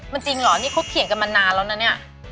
มันจริงเหรอนี่เขาเถียงกันมานานแล้วนะเนี่ย